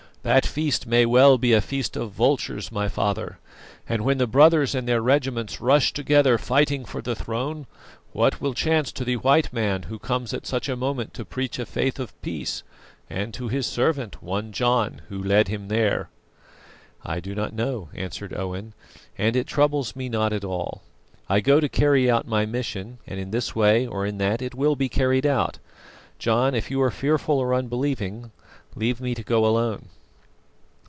That feast may well be a feast of vultures, my father, and when the brothers and their regiments rush together fighting for the throne, what will chance to the white man who comes at such a moment to preach a faith of peace, and to his servant, one John, who led him there?" "I do not know," answered Owen, "and it troubles me not at all. I go to carry out my mission, and in this way or in that it will be carried out. John, if you are fearful or unbelieving leave me to go alone."